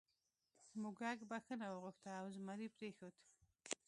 موږک بخښنه وغوښته او زمري پریښود.